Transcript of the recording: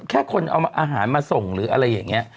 แค่คนเอาอาหารมาส่งหรืออะไรอย่างนี้